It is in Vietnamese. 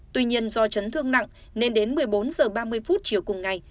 tuy nhiên do chấn thương nặng nên đến một mươi bốn h ba mươi chiều cùng ngày